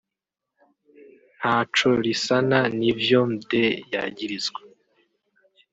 ntaco risana n'ivyo Mdee yagirizwa